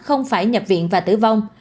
không phải nhập viện và tử vong